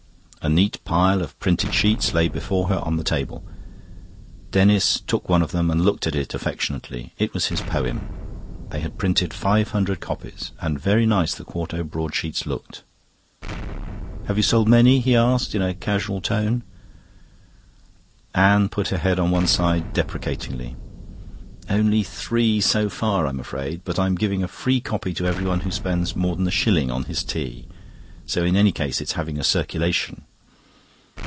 A neat pile of printed sheets lay before her on the table. Denis took one of them and looked at it affectionately. It was his poem. They had printed five hundred copies, and very nice the quarto broadsheets looked. "Have you sold many?" he asked in a casual tone. Anne put her head on one side deprecatingly. "Only three so far, I'm afraid. But I'm giving a free copy to everyone who spends more than a shilling on his tea. So in any case it's having a circulation."